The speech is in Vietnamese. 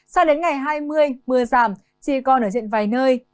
sao đến ngày hai mươi mưa giảm chỉ còn ở diện vài nơi